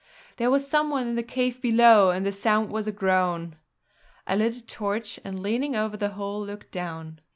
There was some one in the cave below, and the sound was a groan. I lit a torch and leaning over the hole looked down.